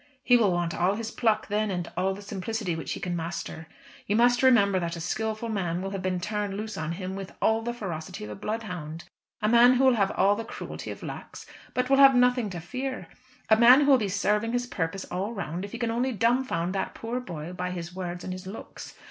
He will want all his pluck then, and all the simplicity which he can master. You must remember that a skilful man will have been turned loose on him with all the ferocity of a bloodhound; a man who will have all the cruelty of Lax, but will have nothing to fear; a man who will be serving his purpose all round if he can only dumbfound that poor boy by his words and his looks.